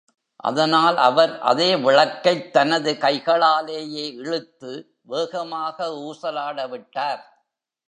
அதனால் அவர் அதே விளக்கைத் தனது கைகளாலேயே இழுத்து வேகமாக ஊசலாடவிட்டார்.